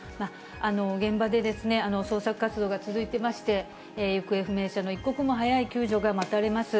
現場で捜索活動が続いてまして、行方不明者の一刻も早い救助が待たれます。